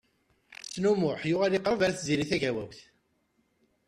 Ḥsen U Muḥ yuɣal yeqreb ɣer Tiziri Tagawawt.